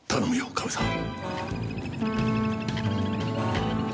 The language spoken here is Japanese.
カメさん。